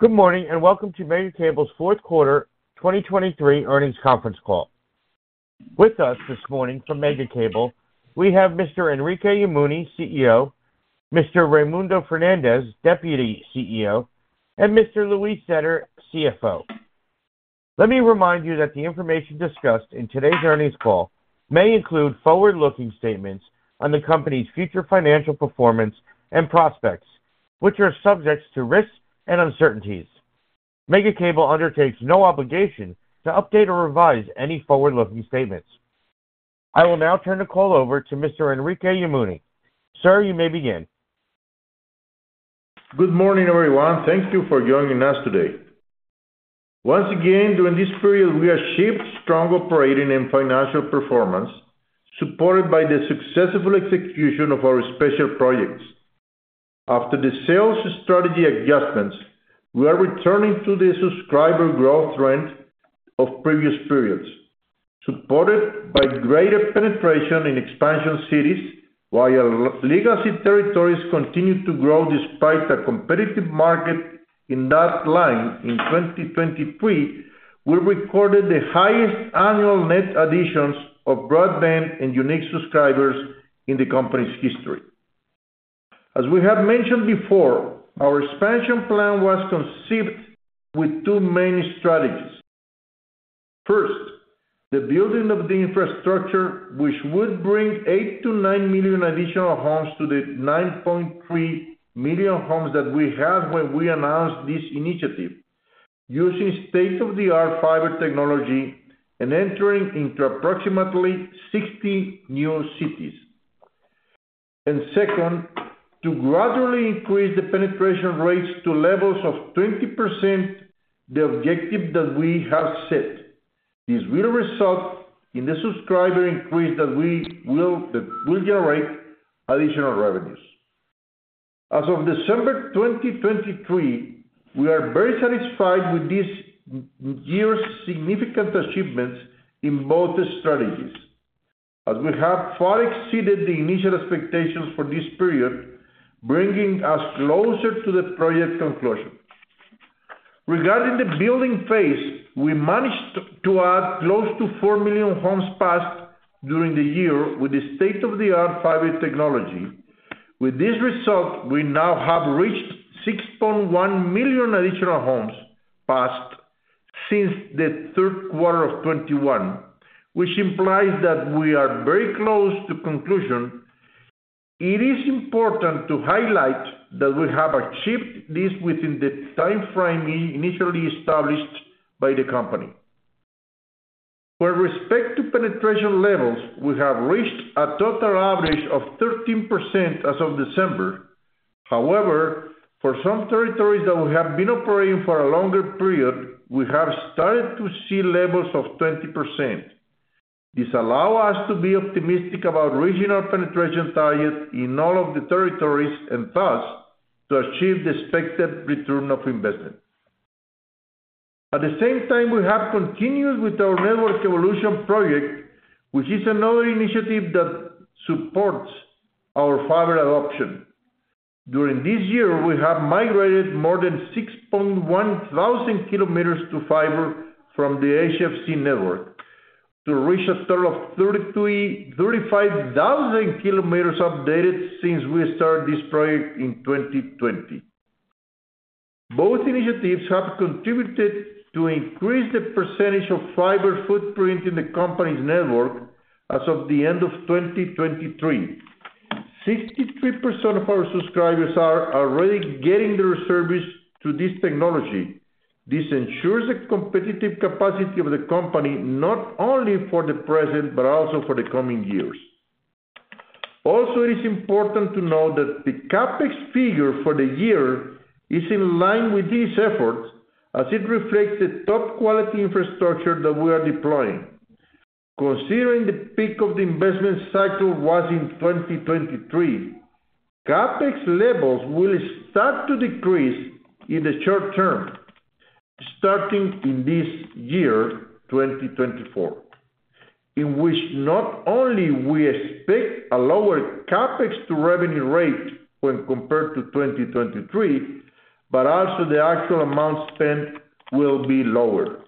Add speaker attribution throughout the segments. Speaker 1: Good morning and welcome to Megacable's fourth quarter 2023 earnings conference call. With us this morning from Megacable, we have Mr. Enrique Yamuni, CEO, Mr. Raymundo Fernández, Deputy CEO, and Mr. Luis Zetter, CFO. Let me remind you that the information discussed in today's earnings call may include forward-looking statements on the company's future financial performance and prospects, which are subject to risks and uncertainties. Megacable undertakes no obligation to update or revise any forward-looking statements. I will now turn the call over to Mr. Enrique Yamuni. Sir, you may begin.
Speaker 2: Good morning, everyone. Thank you for joining us today. Once again, during this period we achieved strong operating and financial performance, supported by the successful execution of our special projects. After the sales strategy adjustments, we are returning to the subscriber growth trend of previous periods, supported by greater penetration in expansion cities while legacy territories continue to grow despite a competitive market. In that line, in 2023, we recorded the highest annual net additions of broadband and unique subscribers in the company's history. As we have mentioned before, our expansion plan was conceived with two main strategies. First, the building of the infrastructure, which would bring 8-9 million additional homes to the 9.3 million homes that we had when we announced this initiative, using state-of-the-art fiber technology and entering into approximately 60 new cities. And second, to gradually increase the penetration rates to levels of 20%, the objective that we have set, this will result in the subscriber increase that we will generate additional revenues. As of December 2023, we are very satisfied with this year's significant achievements in both strategies, as we have far exceeded the initial expectations for this period, bringing us closer to the project conclusion. Regarding the building phase, we managed to add close to 4 million homes passed during the year with the state-of-the-art fiber technology. With this result, we now have reached 6.1 million additional homes passed since the third quarter of 2021, which implies that we are very close to conclusion. It is important to highlight that we have achieved this within the timeframe initially established by the company. With respect to penetration levels, we have reached a total average of 13% as of December. However, for some territories that we have been operating for a longer period, we have started to see levels of 20%. This allows us to be optimistic about regional penetration targets in all of the territories and, thus, to achieve the expected return of investment. At the same time, we have continued with our network evolution project, which is another initiative that supports our fiber adoption. During this year, we have migrated more than 6,100 km to fiber from the HFC network, to reach a total of 35,000 km updated since we started this project in 2020. Both initiatives have contributed to increase the percentage of fiber footprint in the company's network as of the end of 2023. 63% of our subscribers are already getting their service through this technology. This ensures a competitive capacity of the company not only for the present but also for the coming years. Also, it is important to note that the CapEx figure for the year is in line with these efforts, as it reflects the top-quality infrastructure that we are deploying. Considering the peak of the investment cycle was in 2023, CapEx levels will start to decrease in the short term, starting in this year, 2024, in which not only do we expect a lower CapEx to revenue rate when compared to 2023, but also the actual amount spent will be lower.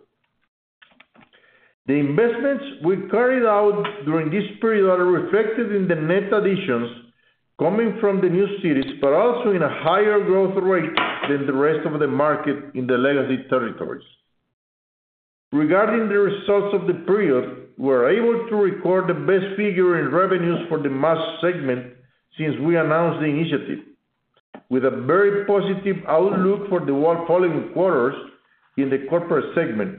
Speaker 2: The investments we carried out during this period are reflected in the net additions coming from the new cities, but also in a higher growth rate than the rest of the market in the legacy territories. Regarding the results of the period, we were able to record the best figure in revenues for the mass segment since we announced the initiative, with a very positive outlook for the following quarters in the corporate segment.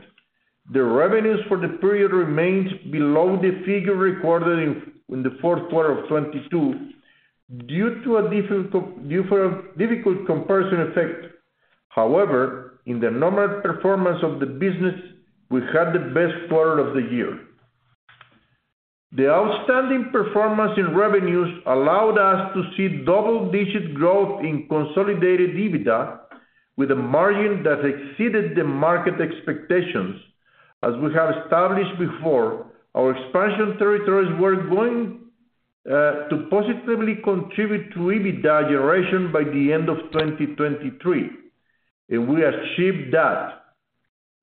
Speaker 2: The revenues for the period remained below the figure recorded in the fourth quarter of 2022 due to a difficult comparison effect. However, in the nominal performance of the business, we had the best quarter of the year. The outstanding performance in revenues allowed us to see double-digit growth in consolidated EBITDA, with a margin that exceeded the market expectations. As we have established before, our expansion territories were going to positively contribute to EBITDA generation by the end of 2023, and we achieved that.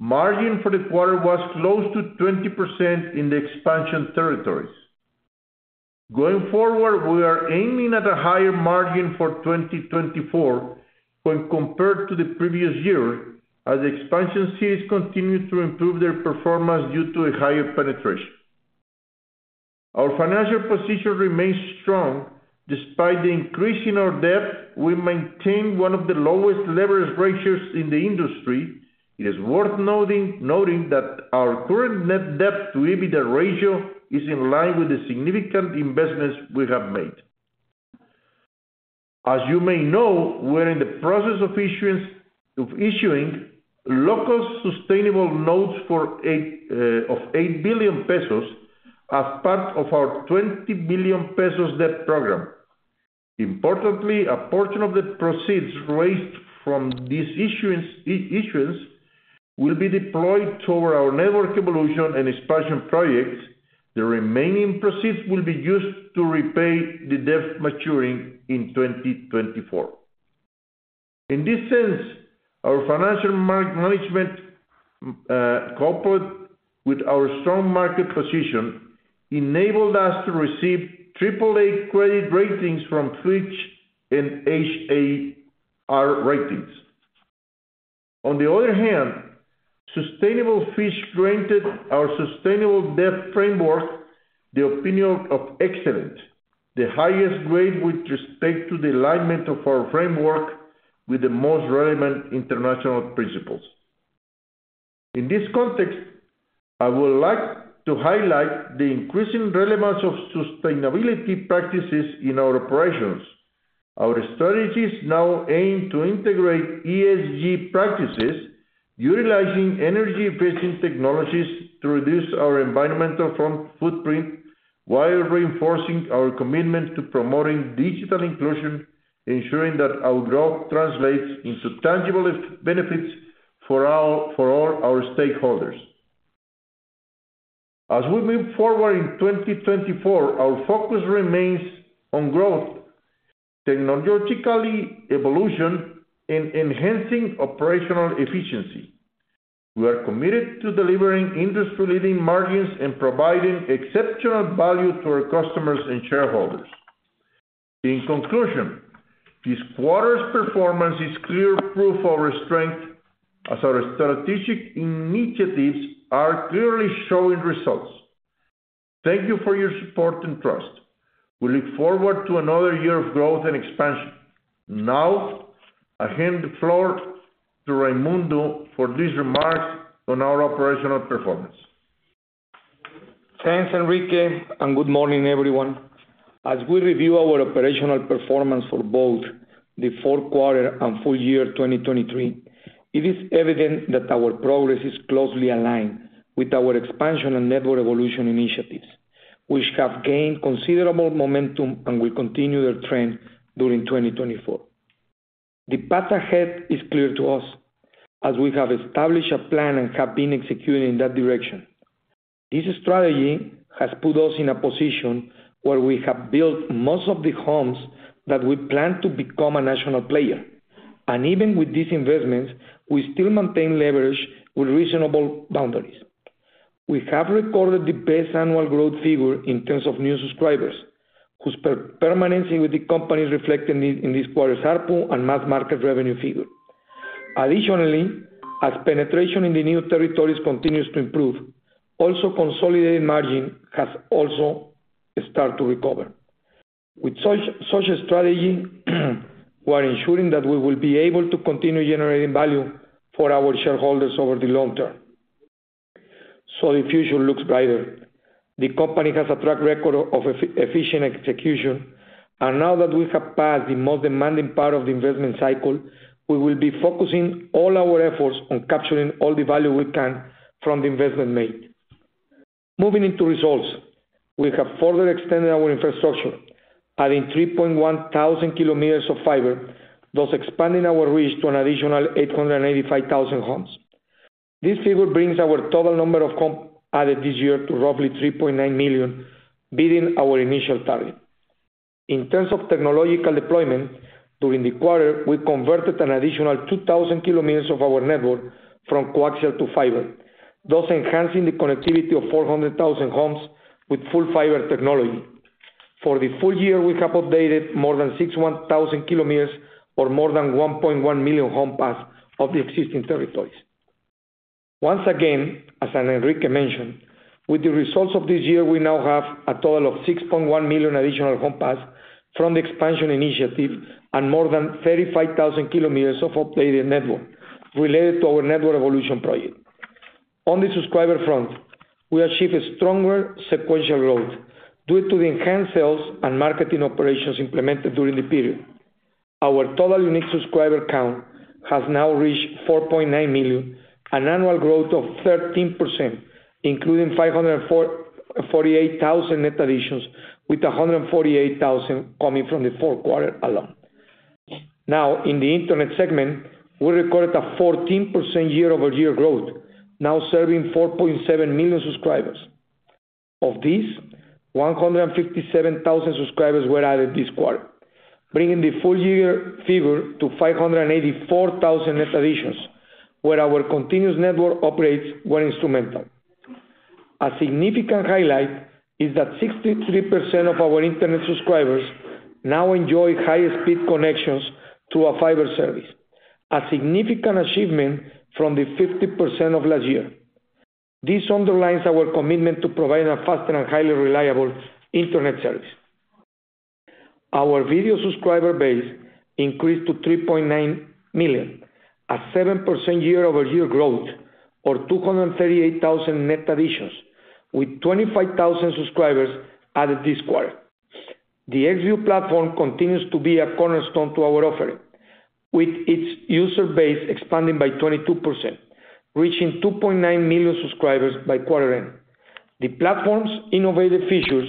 Speaker 2: Margin for the quarter was close to 20% in the expansion territories. Going forward, we are aiming at a higher margin for 2024 when compared to the previous year, as the expansion cities continue to improve their performance due to a higher penetration. Our financial position remains strong. Despite the increase in our debt, we maintain one of the lowest leverage ratios in the industry. It is worth noting that our current net Debt-to-EBITDA ratio is in line with the significant investments we have made. As you may know, we are in the process of issuing local sustainable notes of 8 billion pesos as part of our 20 billion pesos debt program. Importantly, a portion of the proceeds raised from these issuings will be deployed toward our network evolution and expansion projects. The remaining proceeds will be used to repay the debt maturing in 2024. In this sense, our financial management cooperated with our strong market position, enabled us to receive AAA credit ratings from Fitch Ratings and HR Ratings. On the other hand, our sustainable debt framework received the opinion of excellent, the highest grade with respect to the alignment of our framework with the most relevant international principles. In this context, I would like to highlight the increasing relevance of sustainability practices in our operations. Our strategies now aim to integrate ESG practices, utilizing energy-efficient technologies to reduce our environmental footprint while reinforcing our commitment to promoting digital inclusion, ensuring that our growth translates into tangible benefits for all our stakeholders. As we move forward in 2024, our focus remains on growth, technological evolution, and enhancing operational efficiency. We are committed to delivering industry-leading margins and providing exceptional value to our customers and shareholders. In conclusion, this quarter's performance is clear proof of our strength, as our strategic initiatives are clearly showing results. Thank you for your support and trust. We look forward to another year of growth and expansion. Now, I hand the floor to Raymundo for his remarks on our operational performance.
Speaker 3: Thanks, Enrique, and good morning, everyone. As we review our operational performance for both the fourth quarter and full year 2023, it is evident that our progress is closely aligned with our expansion and network evolution initiatives, which have gained considerable momentum and will continue their trend during 2024. The path ahead is clear to us, as we have established a plan and have been executing in that direction. This strategy has put us in a position where we have built most of the homes that we plan to become a national player, and even with these investments, we still maintain leverage with reasonable boundaries. We have recorded the best annual growth figure in terms of new subscribers, whose permanency with the company is reflected in this quarter's ARPU and mass market revenue figure. Additionally, as penetration in the new territories continues to improve, also consolidated margin has also started to recover. With such a strategy, we are ensuring that we will be able to continue generating value for our shareholders over the long term. So the future looks brighter. The company has a track record of efficient execution, and now that we have passed the most demanding part of the investment cycle, we will be focusing all our efforts on capturing all the value we can from the investment made. Moving into results, we have further extended our infrastructure, adding 3,100 km of fiber, thus expanding our reach to an additional 885,000 homes. This figure brings our total number of homes added this year to roughly 3.9 million, beating our initial target. In terms of technological deployment, during the quarter, we converted an additional 2,000 km of our network from coaxial to fiber, thus enhancing the connectivity of 400,000 homes with full fiber technology. For the full year, we have updated more than 61,000 km, or more than 1.1 million home passes, of the existing territories. Once again, as Enrique mentioned, with the results of this year, we now have a total of 6.1 million additional home passes from the expansion initiative and more than 35,000 km of updated network, related to our network evolution project. On the subscriber front, we achieved a stronger sequential growth due to the enhanced sales and marketing operations implemented during the period. Our total unique subscriber count has now reached 4.9 million, an annual growth of 13%, including 548,000 net additions, with 148,000 coming from the fourth quarter alone. Now, in the internet segment, we recorded a 14% year-over-year growth, now serving 4.7 million subscribers. Of these, 157,000 subscribers were added this quarter, bringing the full-year figure to 584,000 net additions, where our continuous network operates well, instrumental. A significant highlight is that 63% of our internet subscribers now enjoy high-speed connections through a fiber service, a significant achievement from the 50% of last year. This underlines our commitment to providing a faster and highly reliable Internet service. Our video subscriber base increased to 3.9 million, a 7% year-over-year growth, or 238,000 net additions, with 25,000 subscribers added this quarter. The XView platform continues to be a cornerstone to our offering, with its user base expanding by 22%, reaching 2.9 million subscribers by quarter-end. The platform's innovative features,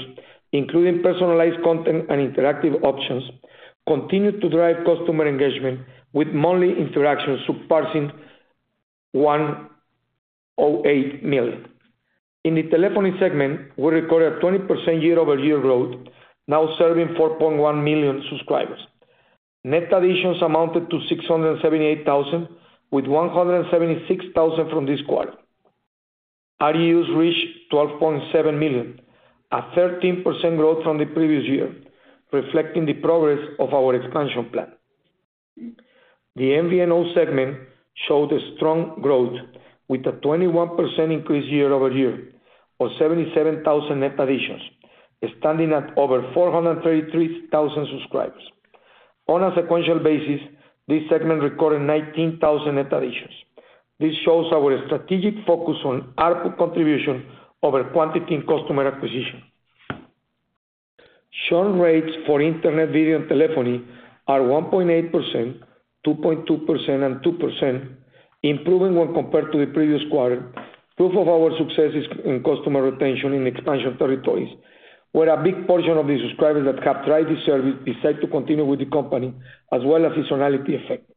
Speaker 3: including personalized content and interactive options, continue to drive customer engagement, with monthly interactions surpassing 108 million. In the telephony segment, we recorded a 20% year-over-year growth, now serving 4.1 million subscribers. Net additions amounted to 678,000, with 176,000 from this quarter. RGUs reached 12.7 million, a 13% growth from the previous year, reflecting the progress of our expansion plan. The MVNO segment showed a strong growth, with a 21% increase year-over-year, or 77,000 net additions, standing at over 433,000 subscribers. On a sequential basis, this segment recorded 19,000 net additions. This shows our strategic focus on ARPU contribution over quantity and customer acquisition. Churn rates for internet, video, and telephony are 1.8%, 2.2%, and 2%, improving when compared to the previous quarter, proof of our success in customer retention in expansion territories, where a big portion of the subscribers that have tried this service decided to continue with the company, as well as its loyalty effect.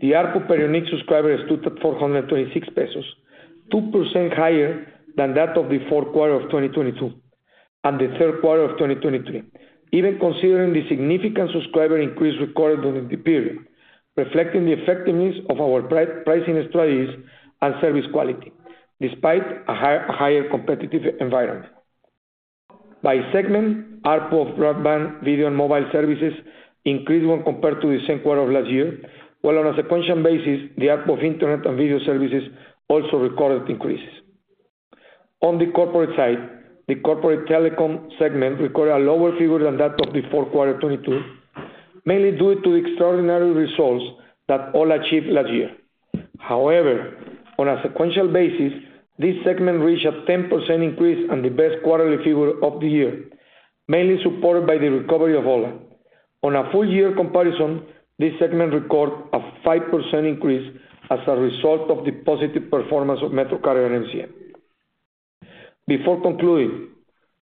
Speaker 3: The ARPU per unique subscriber stood at 426 pesos, 2% higher than that of the fourth quarter of 2022 and the third quarter of 2023, even considering the significant subscriber increase recorded during the period, reflecting the effectiveness of our pricing strategies and service quality, despite a higher competitive environment. By segment, ARPU of broadband, video, and mobile services increased when compared to the same quarter of last year, while on a sequential basis, the ARPU of internet and video services also recorded increases. On the corporate side, the corporate telecom segment recorded a lower figure than that of the fourth quarter of 2022, mainly due to the extraordinary results that ho1a achieved last year. However, on a sequential basis, this segment reached a 10% increase in the best quarterly figure of the year, mainly supported by the recovery of ho1a. On a full-year comparison, this segment recorded a 5% increase as a result of the positive performance of MetroCarrier and MCM. Before concluding,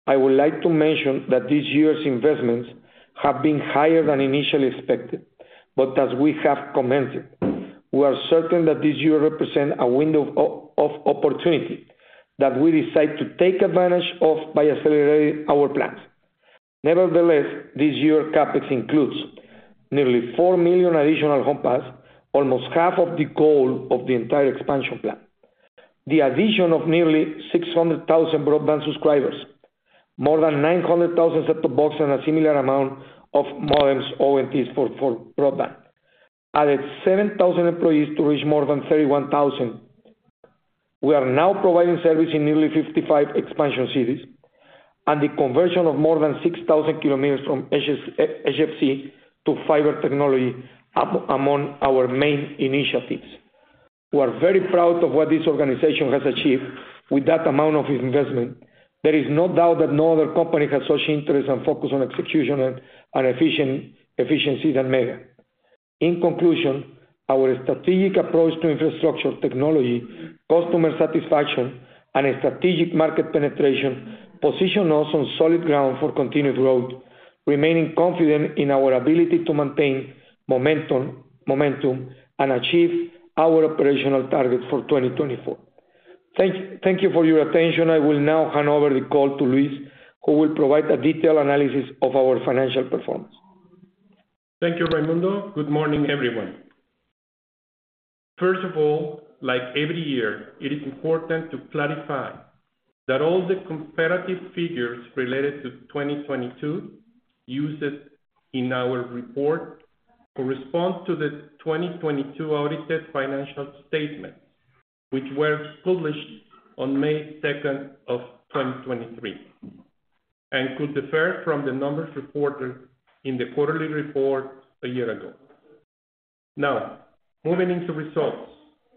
Speaker 3: I would like to mention that this year's investments have been higher than initially expected, but as we have commented, we are certain that this year represents a window of opportunity that we decide to take advantage of by accelerating our plans. Nevertheless, this year's CapEx includes nearly 4 million additional home passes, almost half of the goal of the entire expansion plan, the addition of nearly 600,000 broadband subscribers, more than 900,000 set-top boxes and a similar amount of modems, ONTs, for broadband, added 7,000 employees to reach more than 31,000. We are now providing service in nearly 55 expansion cities, and the conversion of more than 6,000 km from HFC to fiber technology among our main initiatives. We are very proud of what this organization has achieved with that amount of investment. There is no doubt that no other company has such interest and focus on execution and efficiency than Mega. In conclusion, our strategic approach to infrastructure, technology, customer satisfaction, and strategic market penetration positioned us on solid ground for continued growth, remaining confident in our ability to maintain momentum and achieve our operational targets for 2024. Thank you for your attention. I will now hand over the call to Luis, who will provide a detailed analysis of our financial performance.
Speaker 4: Thank you, Raymundo. Good morning, everyone. First of all, like every year, it is important to clarify that all the comparative figures related to 2022 used in our report correspond to the 2022 audited financial statements, which were published on May 2nd of 2023, and could differ from the numbers reported in the quarterly report a year ago. Now, moving into results.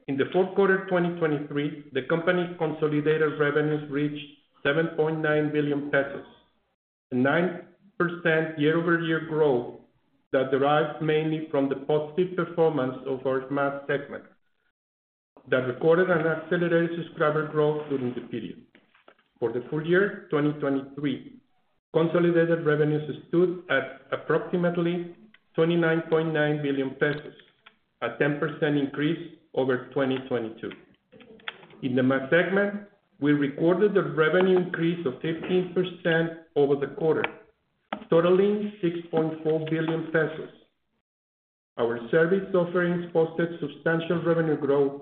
Speaker 4: In the fourth quarter of 2023, the company's consolidated revenues reached 7.9 billion pesos, a 9% year-over-year growth that derived mainly from the positive performance of our mass segment that recorded an accelerated subscriber growth during the period. For the full year, 2023, consolidated revenues stood at approximately 29.9 billion pesos, a 10% increase over 2022. In the mass segment, we recorded a revenue increase of 15% over the quarter, totaling 6.4 billion pesos. Our service offerings posted substantial revenue growth,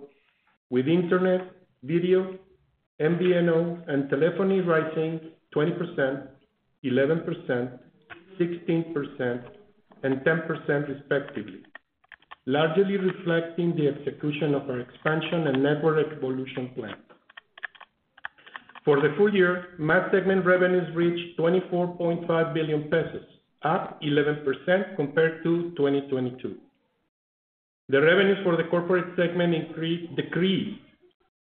Speaker 4: with internet, video, MVNO, and telephony rising 20%, 11%, 16%, and 10%, respectively, largely reflecting the execution of our expansion and network evolution plan. For the full year, mass segment revenues reached 24.5 billion pesos, up 11% compared to 2022. The revenues for the corporate segment decreased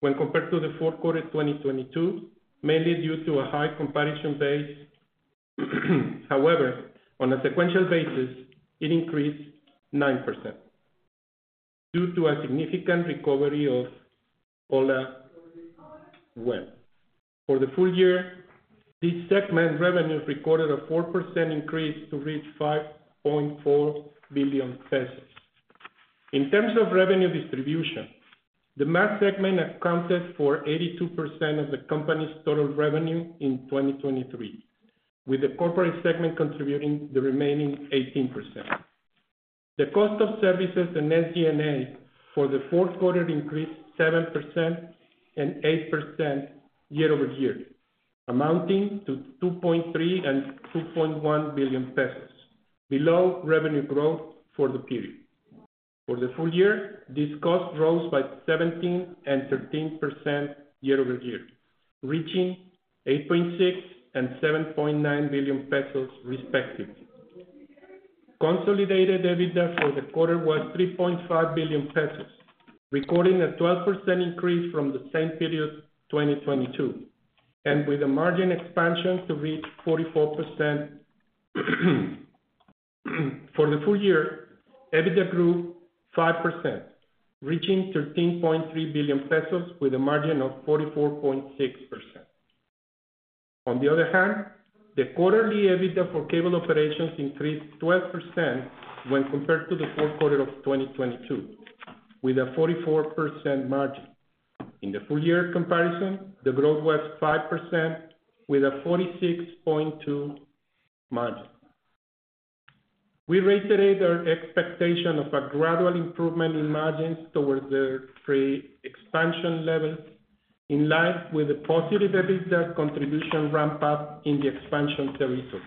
Speaker 4: when compared to the fourth quarter of 2022, mainly due to a high competition base. However, on a sequential basis, it increased 9% due to a significant recovery of ho1a web. For the full year, this segment revenues recorded a 4% increase to reach 5.4 billion pesos. In terms of revenue distribution, the mass segment accounted for 82% of the company's total revenue in 2023, with the corporate segment contributing the remaining 18%. The cost of services and SG&A for the fourth quarter increased 7% and 8% year-over-year, amounting to 2.3 billion and 2.1 billion pesos, below revenue growth for the period. For the full year, this cost rose by 17% and 13% year-over-year, reaching 8.6 billion and 7.9 billion pesos, respectively. Consolidated EBITDA for the quarter was 3.5 billion pesos, recording a 12% increase from the same period, 2022, and with a margin expansion to reach 44%. For the full year, EBITDA grew 5%, reaching 13.3 billion pesos, with a margin of 44.6%. On the other hand, the quarterly EBITDA for cable operations increased 12% when compared to the fourth quarter of 2022, with a 44% margin. In the full-year comparison, the growth was 5%, with a 46.2% margin. We reiterated our expectation of a gradual improvement in margins towards the expansion levels, in line with the positive EBITDA contribution ramp-up in the expansion territory.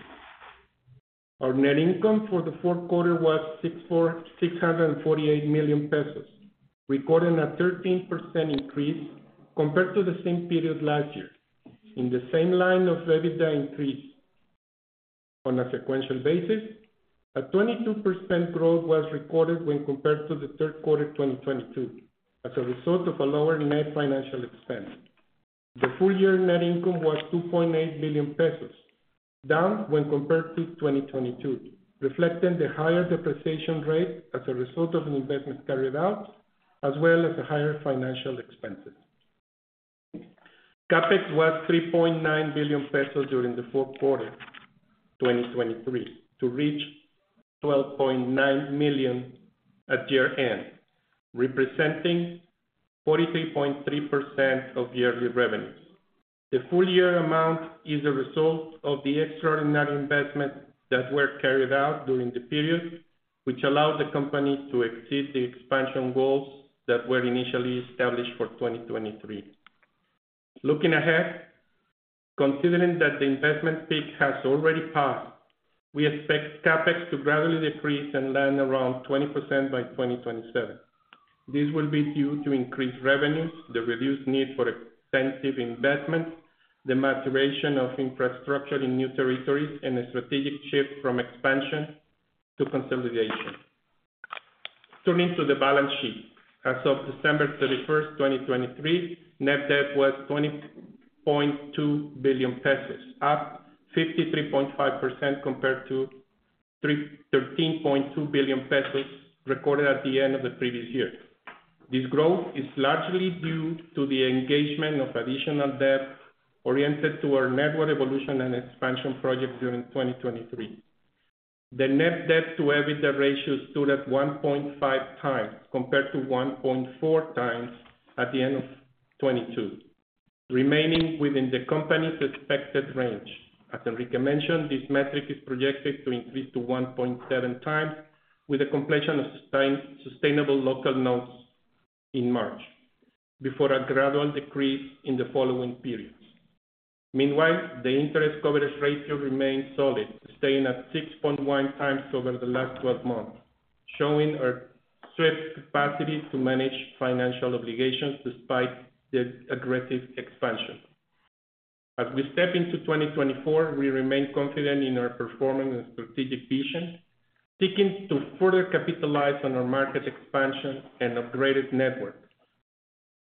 Speaker 4: Our net income for the fourth quarter was 648 million pesos, recording a 13% increase compared to the same period last year. In the same line of EBITDA increase on a sequential basis, a 22% growth was recorded when compared to the third quarter of 2022, as a result of a lower net financial expense. The full-year net income was 2.8 billion pesos, down when compared to 2022, reflecting the higher depreciation rate as a result of investments carried out, as well as higher financial expenses. CapEx was 3.9 billion pesos during the fourth quarter of 2023, to reach 12.9 million at year-end, representing 43.3% of yearly revenues. The full-year amount is a result of the extraordinary investments that were carried out during the period, which allowed the company to exceed the expansion goals that were initially established for 2023. Looking ahead, considering that the investment peak has already passed, we expect CapEx to gradually decrease and land around 20% by 2027. This will be due to increased revenues, the reduced need for extensive investments, the maturation of infrastructure in new territories, and a strategic shift from expansion to consolidation. Turning to the balance sheet, as of December 31st, 2023, net debt was 20.2 billion pesos, up 53.5% compared to 13.2 billion pesos recorded at the end of the previous year. This growth is largely due to the engagement of additional debt oriented toward network evolution and expansion projects during 2023. The net Debt-to-EBITDA ratio stood at 1.5x compared to 1.4x at the end of 2022, remaining within the company's expected range. As Enrique mentioned, this metric is projected to increase to 1.7x with the completion of sustainable local notes in March, before a gradual decrease in the following periods. Meanwhile, the interest coverage ratio remains solid, staying at 6.1x over the last 12 months, showing a swift capacity to manage financial obligations despite the aggressive expansion. As we step into 2024, we remain confident in our performance and strategic vision, seeking to further capitalize on our market expansion and upgraded network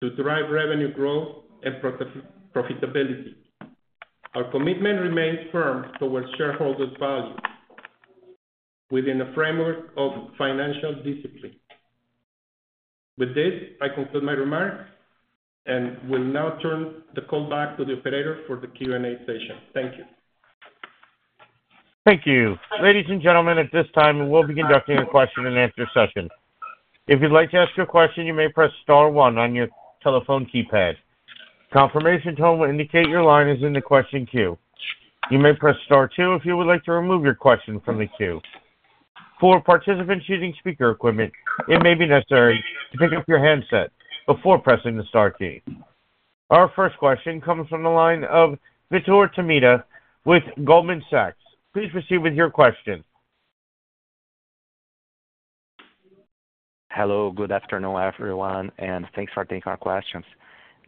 Speaker 4: to drive revenue growth and profitability. Our commitment remains firm toward shareholders' value, within a framework of financial discipline. With this, I conclude my remarks and will now turn the call back to the operator for the Q&A session. Thank you.
Speaker 1: Thank you. Ladies and gentlemen, at this time, we'll be conducting a question-and-answer session. If you'd like to ask your question, you may press star one on your telephone keypad. Confirmation tone will indicate your line is in the question queue. You may press star two if you would like to remove your question from the queue. For participants using speaker equipment, it may be necessary to pick up your handset before pressing the star key. Our first question comes from the line of Vitor Tomita with Goldman Sachs. Please proceed with your question.
Speaker 5: Hello. Good afternoon, everyone, and thanks for taking our questions.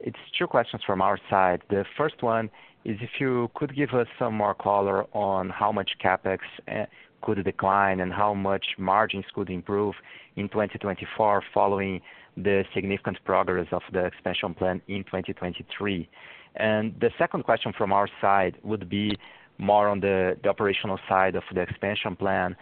Speaker 5: It's two questions from our side. The first one is if you could give us some more color on how much CapEx could decline and how much margins could improve in 2024 following the significant progress of the expansion plan in 2023. The second question from our side would be more on the operational side of the expansion plan.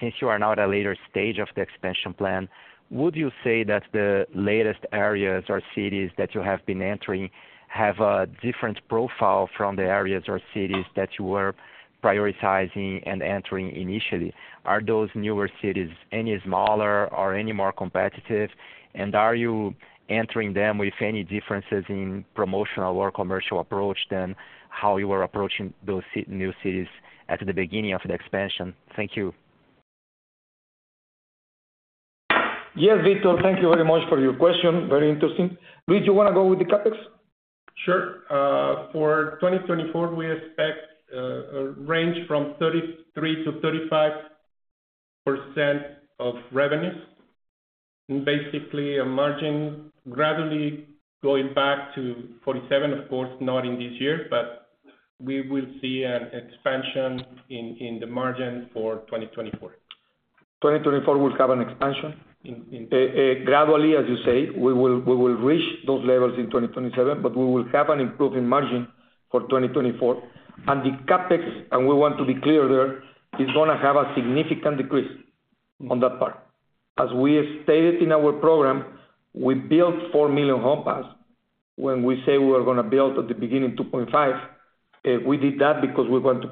Speaker 5: Since you are now at a later stage of the expansion plan, would you say that the latest areas or cities that you have been entering have a different profile from the areas or cities that you were prioritizing and entering initially? Are those newer cities any smaller or any more competitive, and are you entering them with any differences in promotional or commercial approach than how you were approaching those new cities at the beginning of the expansion? Thank you.
Speaker 3: Yes, Vitor. Thank you very much for your question. Very interesting. Luis, do you want to go with the CapEx?
Speaker 4: Sure. For 2024, we expect a range from 33%-35% of revenues, basically a margin gradually going back to 47%, of course, not in this year, but we will see an expansion in the margin for 2024.
Speaker 3: 2024 will have an expansion. Gradually, as you say, we will reach those levels in 2027, but we will have an improving margin for 2024. And the CapEx, and we want to be clear there, is going to have a significant decrease on that part. As we stated in our program, we built 4 million home passes. When we say we were going to build at the beginning 2.5, we did that because we want to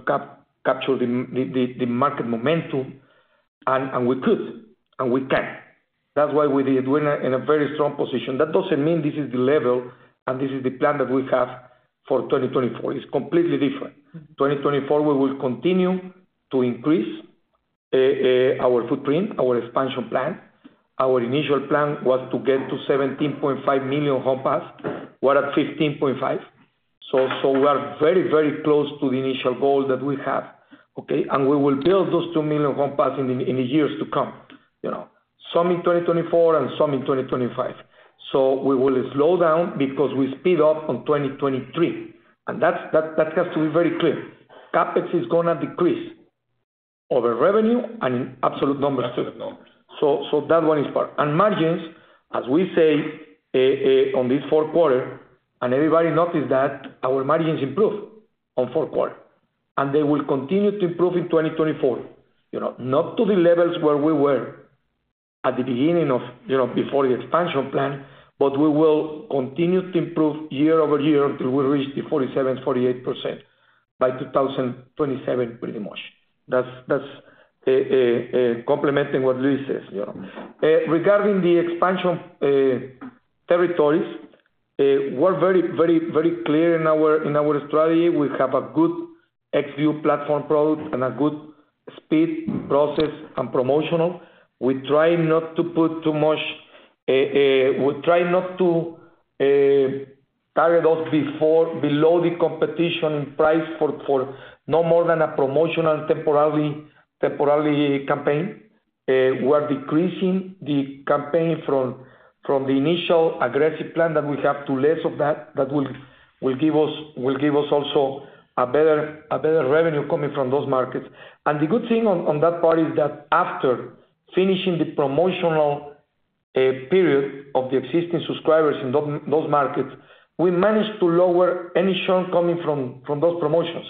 Speaker 3: capture the market momentum, and we could, and we can. That's why we did. We're in a very strong position. That doesn't mean this is the level and this is the plan that we have for 2024. It's completely different. 2024, we will continue to increase our footprint, our expansion plan. Our initial plan was to get to 17.5 million home passes. We're at 15.5. So we are very, very close to the initial goal that we have, okay? We will build those 2 million home passes in the years to come, some in 2024 and some in 2025. We will slow down because we speed up on 2023. That has to be very clear. CapEx is going to decrease over revenue and in absolute numbers too.
Speaker 4: Absolute numbers.
Speaker 3: So that one is part. And margins, as we say on this fourth quarter, and everybody noticed that, our margins improved on fourth quarter. And they will continue to improve in 2024, not to the levels where we were at the beginning of before the expansion plan, but we will continue to improve year-over-year until we reach the 47%-48% by 2027, pretty much. That's complementing what Luis says. Regarding the expansion territories, we're very, very, very clear in our strategy. We have a good XView platform product and a good speed, process, and promotional. We try not to put too much we try not to target us below the competition in price for no more than a promotional temporarily campaign. We're decreasing the campaign from the initial aggressive plan that we have to less of that. That will give us also a better revenue coming from those markets. The good thing on that part is that after finishing the promotional period of the existing subscribers in those markets, we managed to lower any churn coming from those promotions.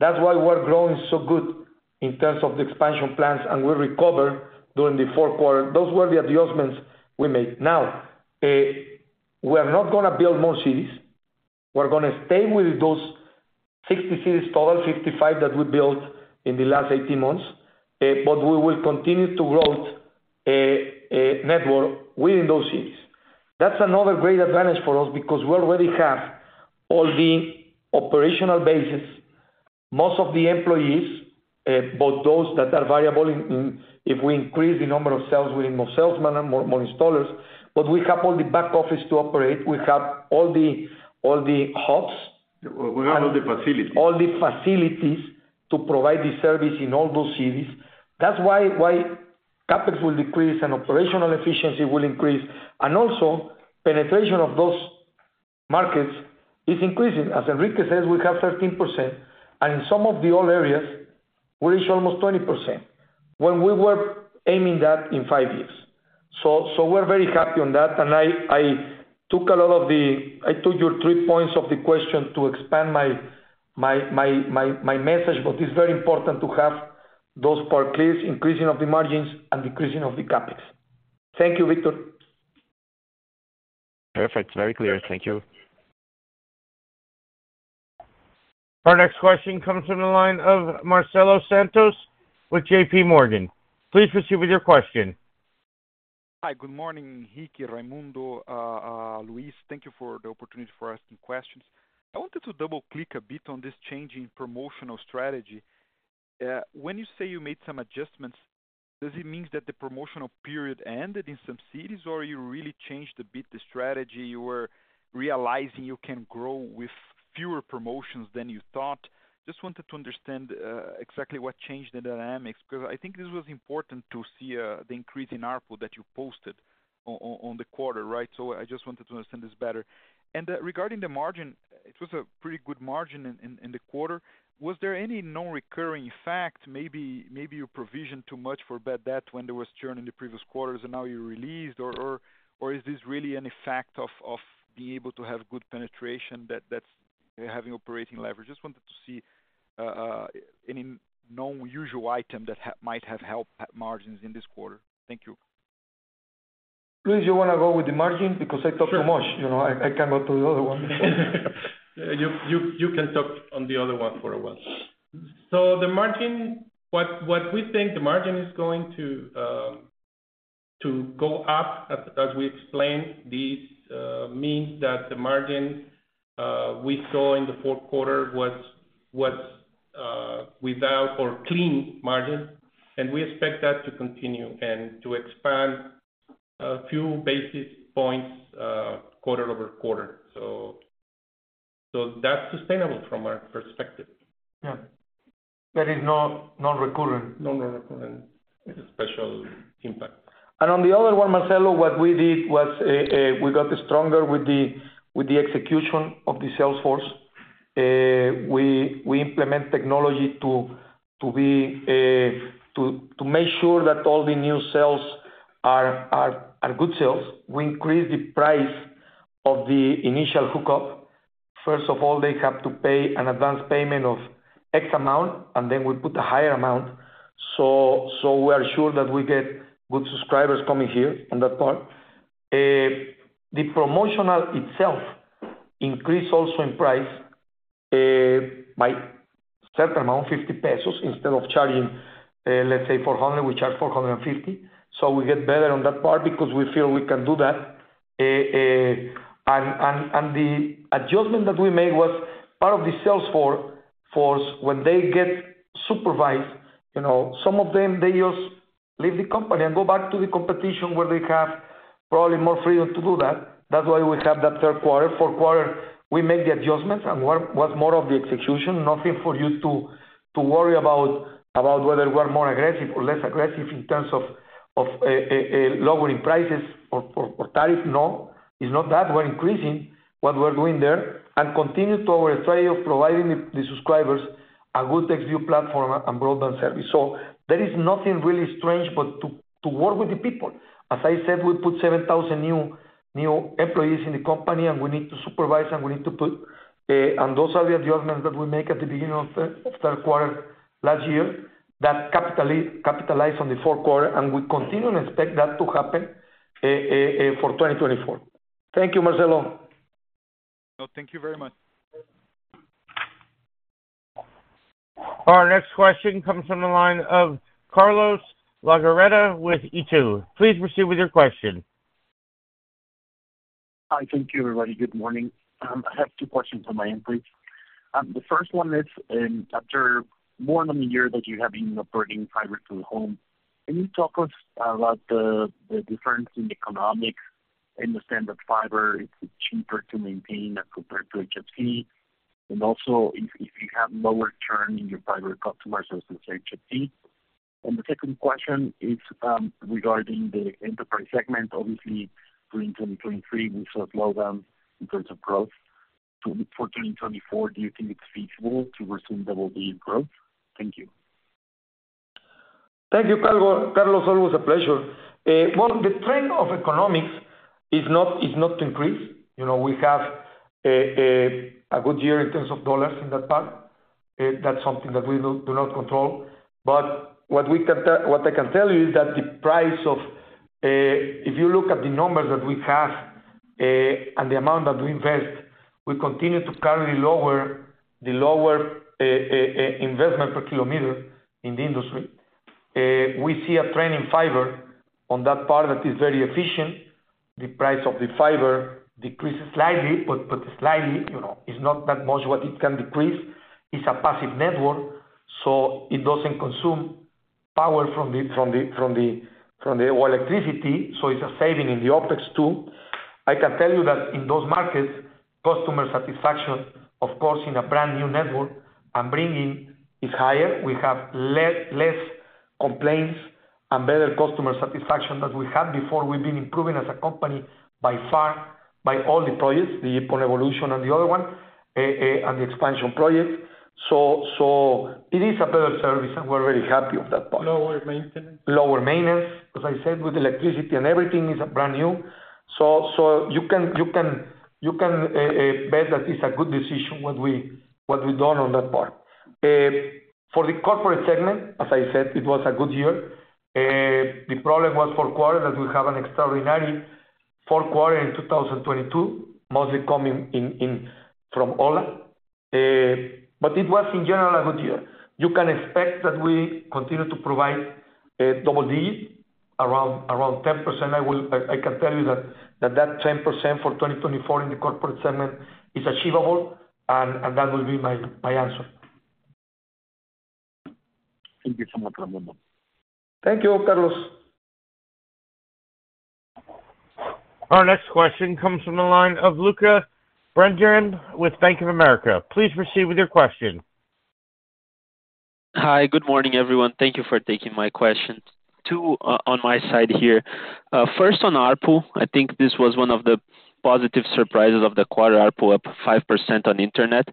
Speaker 3: That's why we're growing so good in terms of the expansion plans, and we recovered during the fourth quarter. Those were the adjustments we made. Now, we are not going to build more cities. We're going to stay with those 60 cities, total 55 that we built in the last 18 months, but we will continue to grow network within those cities. That's another great advantage for us because we already have all the operational bases, most of the employees, but those that are variable if we increase the number of sales within more salesmen and more installers. But we have all the back office to operate. We have all the hubs.
Speaker 4: We have all the facilities.
Speaker 3: All the facilities to provide the service in all those cities. That's why CapEx will decrease and operational efficiency will increase. Also, penetration of those markets is increasing. As Enrique says, we have 13%. In some of the old areas, we reach almost 20% when we were aiming that in 5 years. So we're very happy on that. And I took a lot of your 3 points of the question to expand my message, but it's very important to have those part clear: increasing of the margins and decreasing of the CapEx. Thank you, Vitor.
Speaker 5: Perfect. Very clear. Thank you.
Speaker 1: Our next question comes from the line of Marcelo Santos with JPMorgan. Please proceed with your question.
Speaker 6: Hi. Good morning, Enrique, Raymundo, Luis, thank you for the opportunity for asking questions. I wanted to double-click a bit on this change in promotional strategy. When you say you made some adjustments, does it mean that the promotional period ended in some cities, or you really changed a bit the strategy? You were realizing you can grow with fewer promotions than you thought. Just wanted to understand exactly what changed the dynamics because I think this was important to see the increase in ARPU that you posted on the quarter, right? So I just wanted to understand this better. Regarding the margin, it was a pretty good margin in the quarter. Was there any known recurring effect? Maybe you provisioned too much for bad debt when there was churn in the previous quarters, and now you released, or is this really an effect of being able to have good penetration, having operating leverage? Just wanted to see any known usual item that might have helped margins in this quarter. Thank you.
Speaker 3: Luis, do you want to go with the margin because I talked too much? I can go to the other one because.
Speaker 4: Yeah. You can talk on the other one for a while. So, what we think the margin is going to go up, as we explained. This means that the margin we saw in the fourth quarter was without or clean margin. We expect that to continue and to expand a few basis points quarter-over-quarter. That's sustainable from our perspective.
Speaker 3: Yeah. That is non-recurrent.
Speaker 4: Nonrecurring. It's a special impact.
Speaker 3: On the other one, Marcelo, what we did was we got stronger with the execution of the sales force. We implement technology to make sure that all the new sales are good sales. We increase the price of the initial hookup. First of all, they have to pay an advance payment of X amount, and then we put a higher amount so we are sure that we get good subscribers coming here on that part. The promotional itself increased also in price by a certain amount, 50 pesos, instead of charging, let's say, 400. We charge 450. So we get better on that part because we feel we can do that. And the adjustment that we made was part of the sales force. When they get supervised, some of them, they just leave the company and go back to the competition where they have probably more freedom to do that. That's why we have that third quarter. Fourth quarter, we make the adjustments. What was more of the execution, nothing for you to worry about whether we are more aggressive or less aggressive in terms of lowering prices or tariffs. No. It's not that. We're increasing what we're doing there and continue to our strategy of providing the subscribers a good XView platform and broadband service. So there is nothing really strange but to work with the people. As I said, we put 7,000 new employees in the company, and we need to supervise, and we need to put on those early adjustments that we make at the beginning of third quarter last year that capitalize on the fourth quarter. We continue and expect that to happen for 2024. Thank you, Marcelo.
Speaker 6: Thank you very much.
Speaker 1: Our next question comes from the line of Carlos Legarreta with Itaú. Please proceed with your question.
Speaker 7: Hi. Thank you, everybody. Good morning. I have two questions on my end, please. The first one is after more than a year that you have been operating fiber to the home, can you talk us about the difference in economics in the standard fiber? It's cheaper to maintain as compared to HFC, and also if you have lower churn in your fiber customers, as we say, HFC. And the second question is regarding the enterprise segment. Obviously, during 2023, we saw slowdowns in terms of growth. For 2024, do you think it's feasible to resume double-digit growth? Thank you.
Speaker 3: Thank you, Carlos. Always a pleasure. Well, the trend of economics is not to increase. We have a good year in terms of dollars in that part. That's something that we do not control. But what I can tell you is that the price of if you look at the numbers that we have and the amount that we invest, we continue to carry the lower investment per kilometer in the industry. We see a trend in fiber on that part that is very efficient. The price of the fiber decreases slightly, but slightly. It's not that much what it can decrease. It's a passive network, so it doesn't consume power from the electricity. So it's a saving in the OpEx too. I can tell you that in those markets, customer satisfaction, of course, in a brand new network and bringing is higher. We have less complaints and better customer satisfaction than we had before. We've been improving as a company by far by all the projects, the GPON Evolution and the other one, and the expansion projects. It is a better service, and we're very happy of that part.
Speaker 4: Lower maintenance.
Speaker 3: Lower maintenance. As I said, with electricity and everything, it's brand new. So you can bet that it's a good decision what we've done on that part. For the corporate segment, as I said, it was a good year. The problem was fourth quarter that we have an extraordinary fourth quarter in 2022, mostly coming from ho1a. But it was, in general, a good year. You can expect that we continue to provide double-digit, around 10%. I can tell you that that 10% for 2024 in the corporate segment is achievable, and that will be my answer.
Speaker 7: Thank you so much, Raymundo.
Speaker 3: Thank you, Carlos.
Speaker 1: Our next question comes from the line of Lucca Brendim with Bank of America. Please proceed with your question.
Speaker 8: Hi. Good morning, everyone. Thank you for taking my question. Two on my side here. First, on ARPU, I think this was one of the positive surprises of the quarter: ARPU up 5% on internet.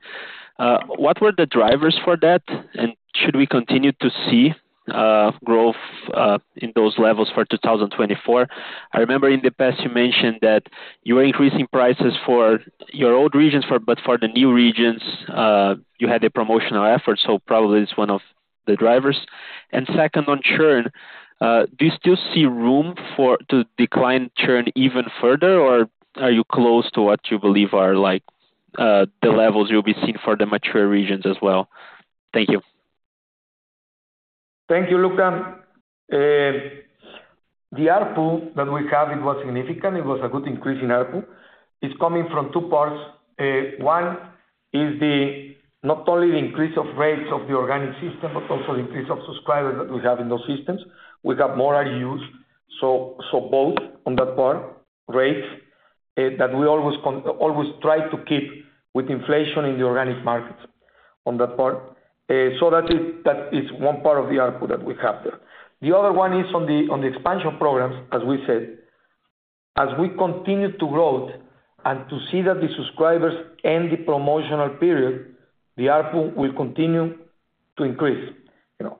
Speaker 8: What were the drivers for that? And should we continue to see growth in those levels for 2024? I remember in the past, you mentioned that you were increasing prices for your old regions, but for the new regions, you had a promotional effort. So probably it's one of the drivers. And second, on churn, do you still see room to decline churn even further, or are you close to what you believe are the levels you'll be seeing for the mature regions as well? Thank you.
Speaker 3: Thank you, Lucca. The ARPU that we have, it was significant. It was a good increase in ARPU. It's coming from two parts. One is not only the increase of rates of the organic system, but also the increase of subscribers that we have in those systems. We have more RGUs. So both on that part, rates that we always try to keep with inflation in the organic markets on that part. So that is one part of the ARPU that we have there. The other one is on the expansion programs, as we said. As we continue to grow and to see that the subscribers end the promotional period, the ARPU will continue to increase.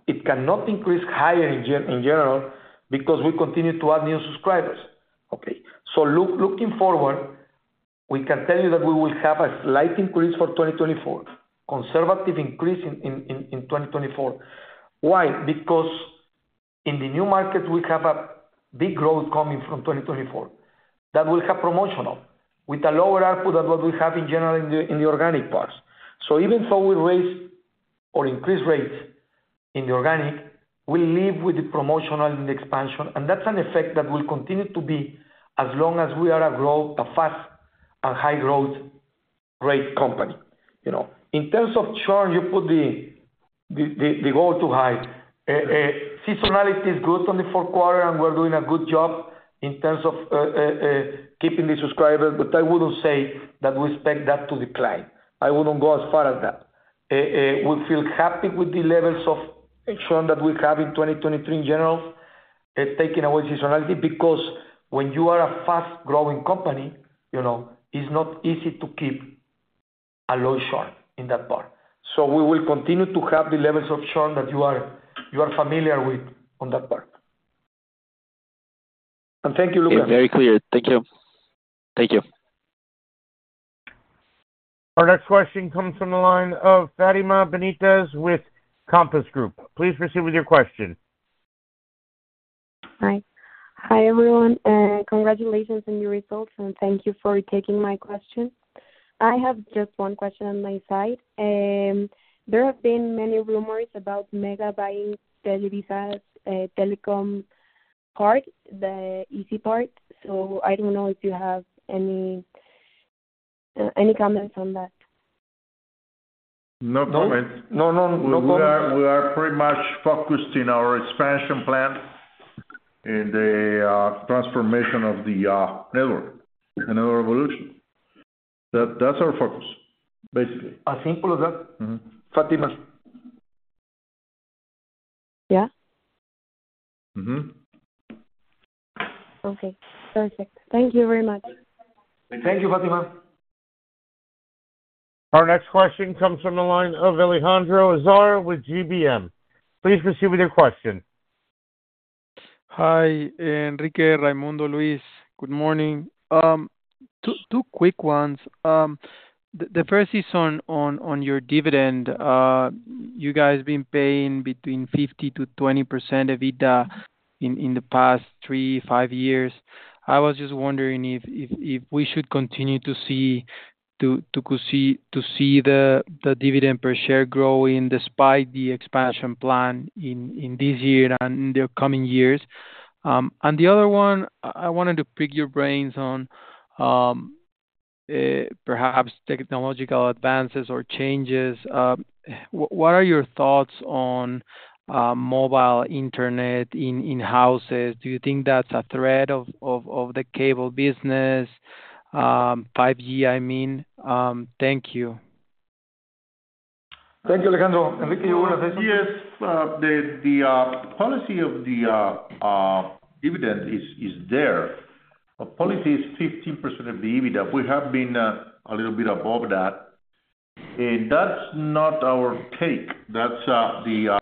Speaker 3: It cannot increase higher in general because we continue to add new subscribers, okay? So looking forward, we can tell you that we will have a slight increase for 2024, conservative increase in 2024. Why? Because in the new market, we have a big growth coming from 2024 that will have promotional with a lower ARPU than what we have in general in the organic parts. So even though we raise or increase rates in the organic, we'll live with the promotional in the expansion. And that's an effect that will continue to be as long as we are a fast and high-growth-rate company. In terms of churn, you put the goal too high. Seasonality is good on the fourth quarter, and we're doing a good job in terms of keeping the subscribers. But I wouldn't say that we expect that to decline. I wouldn't go as far as that. We feel happy with the levels of churn that we have in 2023 in general, taking away seasonality because when you are a fast-growing company, it's not easy to keep a low churn in that part. So we will continue to have the levels of churn that you are familiar with on that part. Thank you, Lucca.
Speaker 8: Very clear. Thank you. Thank you.
Speaker 1: Our next question comes from the line of Fatima Benitez with Compass Group. Please proceed with your question.
Speaker 9: Hi. Hi, everyone. Congratulations on your results, and thank you for taking my question. I have just one question on my side. There have been many rumors about Megacable buying Televisa's telecom part, the Izzi part. So I don't know if you have any comments on that.
Speaker 2: No comments.
Speaker 3: No, no, no comments.
Speaker 2: We are pretty much focused in our expansion plan in the transformation of the network, the network evolution. That's our focus, basically.
Speaker 3: As simple as that?
Speaker 2: Mm-hmm.
Speaker 3: Fatima?
Speaker 9: Yeah?
Speaker 2: Mm-hmm.
Speaker 9: Okay. Perfect. Thank you very much.
Speaker 3: Thank you, Fátima.
Speaker 1: Our next question comes from the line of Alejandro Azar with GBM. Please proceed with your question.
Speaker 10: Hi, Enrique, Raymundo, Luis. Good morning. 2 quick ones. The first is on your dividend. You guys have been paying between 50%-20% EBITDA in the past 3, 5 years. I was just wondering if we should continue to see the dividend per share growing despite the expansion plan in this year and in the coming years. And the other one, I wanted to pick your brains on perhaps technological advances or changes. What are your thoughts on mobile internet in houses? Do you think that's a threat of the cable business, 5G, I mean? Thank you.
Speaker 3: Thank you, Alejandro. Enrique, you want to say something?
Speaker 2: Yes. The policy of the dividend is there. Our policy is 15% of the EBITDA. We have been a little bit above that. And that's not our take. That's the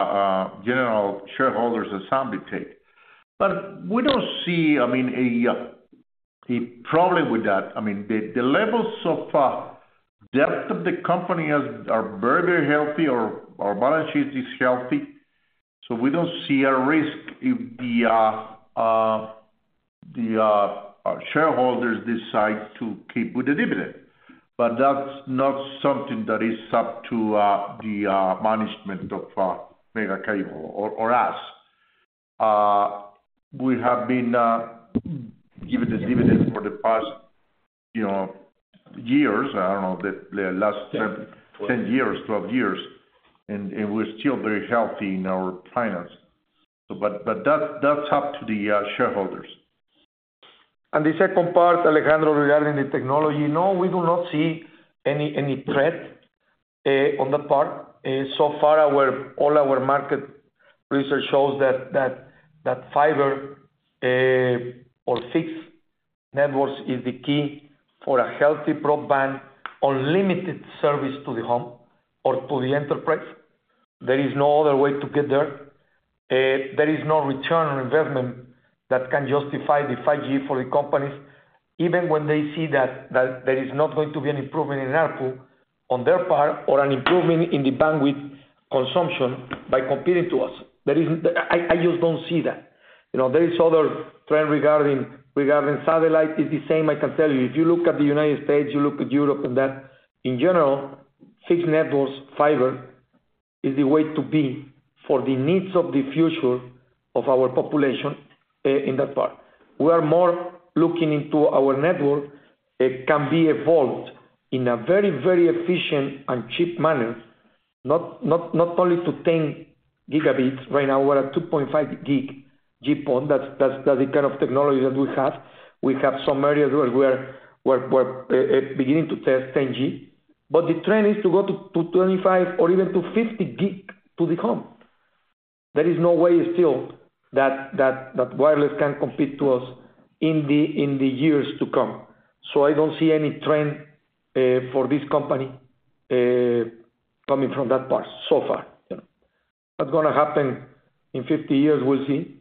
Speaker 2: general shareholders' assembly take. But we don't see, I mean, a problem with that. I mean, the levels of debt of the company are very, very healthy, our balance sheet is healthy. So we don't see a risk if the shareholders decide to keep with the dividend. But that's not something that is up to the management of Megacable or us. We have been giving the dividend for the past years. I don't know, the last 10 years, 12 years. And we're still very healthy in our finances. But that's up to the shareholders.
Speaker 3: The second part, Alejandro, regarding the technology, no, we do not see any threat on that part. So far, all our market research shows that fiber or fixed networks is the key for a healthy, broadband, unlimited service to the home or to the enterprise. There is no other way to get there. There is no return on investment that can justify the 5G for the companies, even when they see that there is not going to be an improvement in ARPU on their part or an improvement in the bandwidth consumption by competing to us. I just don't see that. There is other trend regarding satellite. It's the same, I can tell you. If you look at the United States, you look at Europe, and that, in general, fixed networks, fiber, is the way to be for the needs of the future of our population in that part. We are more looking into our network. It can be evolved in a very, very efficient and cheap manner, not only to 10 Gb. Right now, we're at 2.5 Gb GPON. That's the kind of technology that we have. We have some areas where we're beginning to test 10G. But the trend is to go to 25 Gb or even to 50 Gb to the home. There is no way still that wireless can compete to us in the years to come. So I don't see any trend for this company coming from that part so far. What's going to happen in 50 years, we'll see.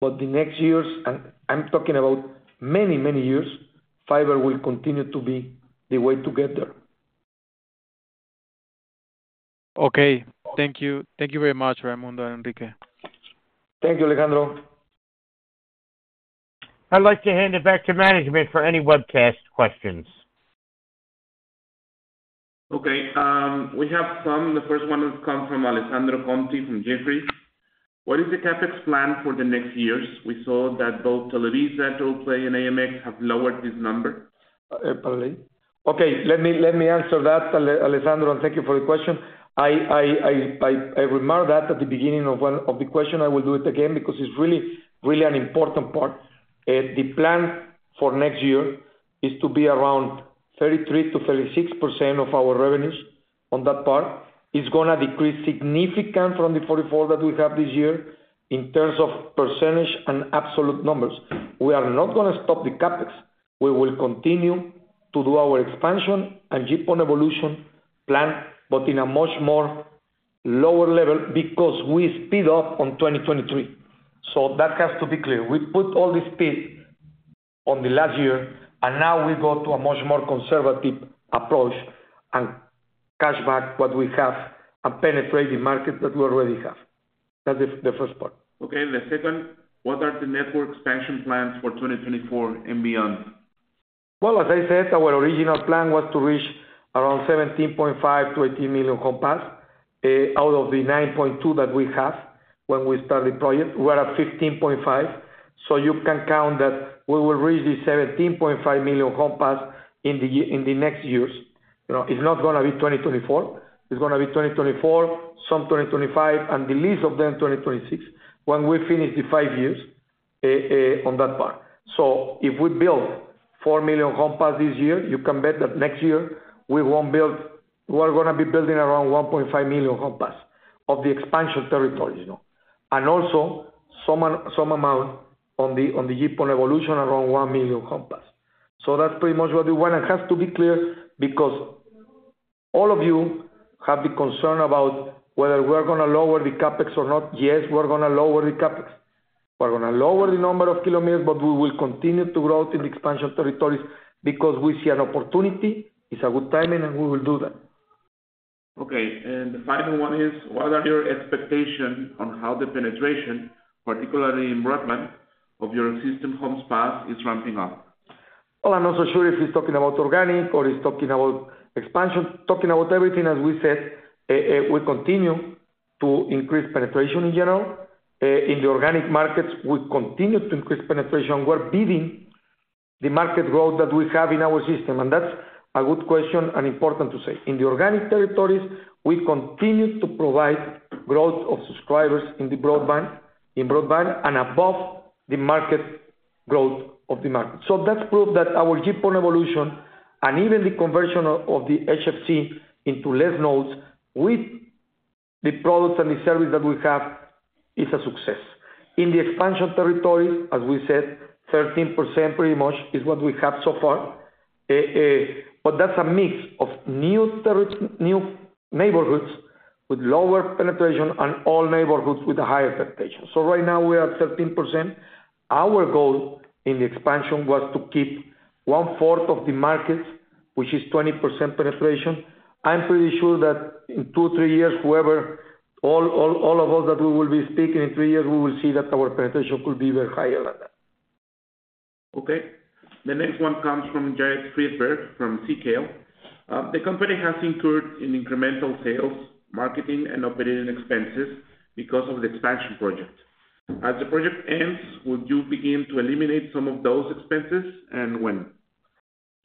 Speaker 3: But the next years, and I'm talking about many, many years, fiber will continue to be the way to get there.
Speaker 10: Okay. Thank you. Thank you very much, Raymundo and Enrique.
Speaker 3: Thank you, Alejandro.
Speaker 1: I'd like to hand it back to management for any webcast questions. Okay. We have some. The first one has come from Alessandro Conti from Jefferies. What is the CapEx plan for the next years? We saw that both Televisa, Totalplay and AMX have lowered this number.
Speaker 3: Apparently. Okay. Let me answer that, Alessandro, and thank you for the question. I remarked that at the beginning of the question. I will do it again because it's really, really an important part. The plan for next year is to be around 33%-36% of our revenues on that part. It's going to decrease significantly from the 44% that we have this year in terms of percentage and absolute numbers. We are not going to stop the CapEx. We will continue to do our expansion and GPON Evolution plan, but in a much more lower level because we speed up on 2023. So that has to be clear. We put all this speed on the last year, and now we go to a much more conservative approach and cash back what we have and penetrate the market that we already have. That's the first part.
Speaker 1: Okay. The second, what are the network expansion plans for 2024 and beyond?
Speaker 3: Well, as I said, our original plan was to reach around 17.5-18 million home pass out of the 9.2 that we have when we started the project. We're at 15.5. So you can count that we will reach the 17.5 million home pass in the next years. It's not going to be 2024. It's going to be 2024, some 2025, and the least of them, 2026, when we finish the 5 years on that part. So if we build 4 million home pass this year, you can bet that next year, we are going to be building around 1.5 million home pass of the expansion territories, and also some amount on the GPON Evolution, around 1 million home pass. So that's pretty much what we want. It has to be clear because all of you have been concerned about whether we are going to lower the CapEx or not. Yes, we're going to lower the CapEx. We're going to lower the number of kilometers, but we will continue to grow in the expansion territories because we see an opportunity. It's a good timing, and we will do that.
Speaker 1: Okay. The final one is, what are your expectations on how the penetration, particularly in Brooklyn, of your existing homes passed is ramping up?
Speaker 3: Well, I'm not so sure if he's talking about organic or he's talking about expansion. Talking about everything, as we said, we continue to increase penetration in general. In the organic markets, we continue to increase penetration. We're beating the market growth that we have in our system. And that's a good question and important to say. In the organic territories, we continue to provide growth of subscribers in the broadband and above the market growth of the market. So that's proof that our GPON Evolution and even the conversion of the HFC into less nodes with the products and the service that we have is a success. In the expansion territories, as we said, 13% pretty much is what we have so far. But that's a mix of new neighborhoods with lower penetration and all neighborhoods with a higher penetration. So right now, we are at 13%. Our goal in the expansion was to keep one-fourth of the markets, which is 20% penetration. I'm pretty sure that in two or three years, all of us that we will be speaking in three years, we will see that our penetration could be even higher than that.
Speaker 1: Okay. The next one comes from Jared Friedberg from Sycale. The company has incurred incremental sales, marketing, and operating expenses because of the expansion project. As the project ends, would you begin to eliminate some of those expenses, and when?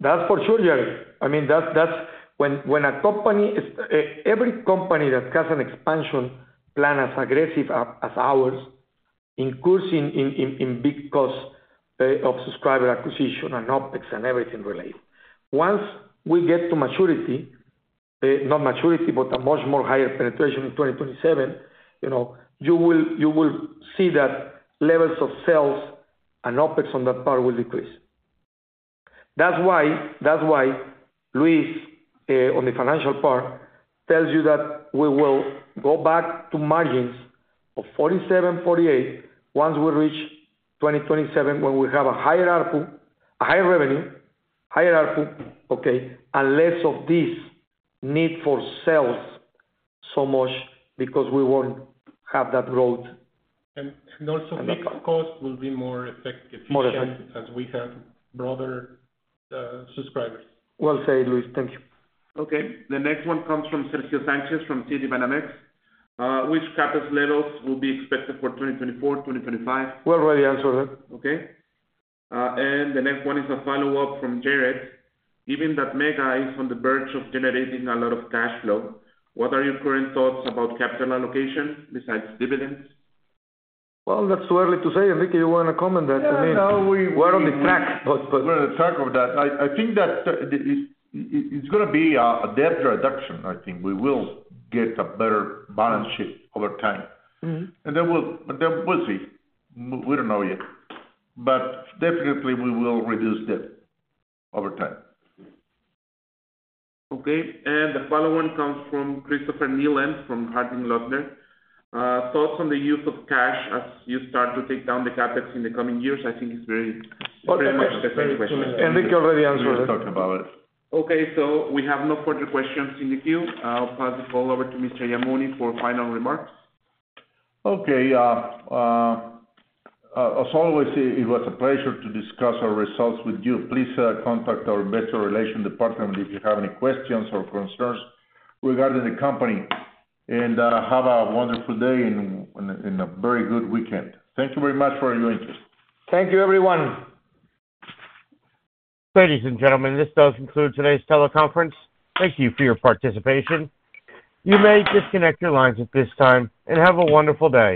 Speaker 3: That's for sure, Jared. I mean, that's when a company every company that has an expansion plan as aggressive as ours incurs in big costs of subscriber acquisition and OpEx and everything related. Once we get to maturity, not maturity, but a much more higher penetration in 2027, you will see that levels of sales and OpEx on that part will decrease. That's why Luis, on the financial part, tells you that we will go back to margins of 47, 48 once we reach 2027 when we have a higher revenue, higher ARPU okay, and less of this need for sales so much because we won't have that growth.
Speaker 4: Also fixed costs will be more effective as we have broader subscribers.
Speaker 3: Well said, Luis. Thank you.
Speaker 1: Okay. The next one comes from Sergio Sanchez from Citibanamex. Which CapEx levels will be expected for 2024, 2025?
Speaker 3: We already answered that.
Speaker 1: Okay. The next one is a follow-up from Jared. Given that Megacable is on the verge of generating a lot of cash flow, what are your current thoughts about capital allocation besides dividends?
Speaker 3: Well, that's too early to say. Enrique, you want to comment that? I mean, we're on the track, but.
Speaker 2: We're on the track of that. I think that it's going to be a debt reduction. I think we will get a better balance sheet over time. And then we'll see. We don't know yet. But definitely, we will reduce debt over time.
Speaker 1: Okay. The follow-up comes from Christopher Nealand from Harding Loevner. Thoughts on the use of cash as you start to take down the CapEx in the coming years? I think it's very much the same question.
Speaker 3: Enrique already answered it.
Speaker 2: We're talking about it.
Speaker 1: Okay. So we have no further questions in the queue. I'll pass the call over to Mr. Yamuni for final remarks.
Speaker 2: Okay. As always, it was a pleasure to discuss our results with you. Please contact our investor relations department if you have any questions or concerns regarding the company. Have a wonderful day and a very good weekend. Thank you very much for your interest.
Speaker 3: Thank you, everyone.
Speaker 1: Ladies and gentlemen, this does conclude today's teleconference. Thank you for your participation. You may disconnect your lines at this time and have a wonderful day.